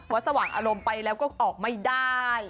สว่างอารมณ์ไปแล้วก็ออกไม่ได้